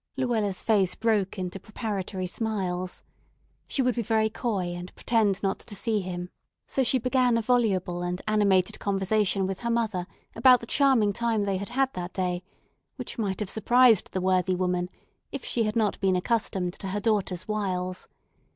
Luella's face broke into preparatory smiles. She would be very coy, and pretend not to see him; so she began a voluble and animated conversation with her mother about the charming time they had had that day, which might have surprised the worthy woman if she had not been accustomed to her daughter's wiles.